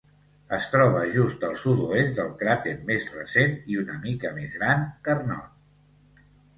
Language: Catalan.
Es troba just al sud-oest del cràter més recent i una mica més gran Carnot.